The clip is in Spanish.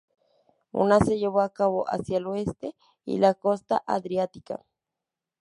Una se llevó a cabo hacia el oeste y la costa adriática.